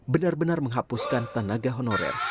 benar benar menghapuskan tenaga honorer